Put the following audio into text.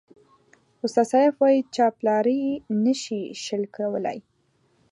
استاد سياف وایي چاپلاري نشي شل کولای.